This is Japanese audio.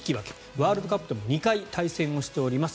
ワールドカップでも２回対戦しています。